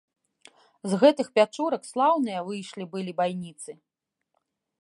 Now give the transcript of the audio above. З гэтых пячурак слаўныя выйшлі былі байніцы!